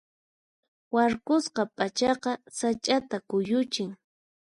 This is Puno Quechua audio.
Warkusqa p'achaqa sach'ata kuyuchin.